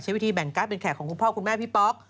วิธีแบ่งการ์ดเป็นแขกของคุณพ่อคุณแม่พี่ป๊อก